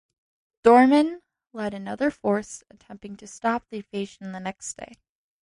Doorman led another force attempting to stop the invasion the next day.